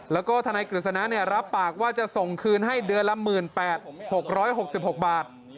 แล้วก็ทนายกฤษณะรับปากว่าจะส่งคืนให้เดือนละ๑๘๖๖บาท